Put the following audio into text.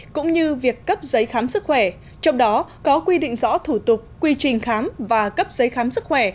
cũng như việc cấp giấy khám sức khỏe trong đó có quy định rõ thủ tục quy trình khám và cấp giấy khám sức khỏe